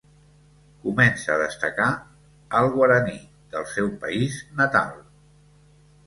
Comença a destacar al Guaraní del seu país natal.